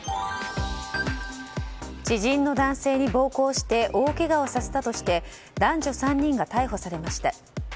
知人の男性に暴行して大けがをさせたとして男女３人が逮捕されました。